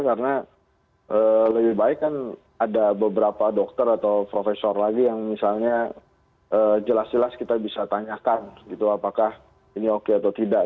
karena lebih baik kan ada beberapa dokter atau profesor lagi yang misalnya jelas jelas kita bisa tanyakan gitu apakah ini oke atau tidak